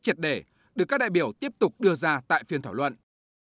triệt để được các đại biểu tiếp tục đưa ra tại phiên thảo luận